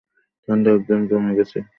ঠান্ডায় একদম জমে গেছি!